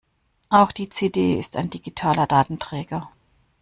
Auch die CD ist ein digitaler Datenträger.